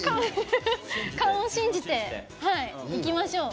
勘を信じていきましょう。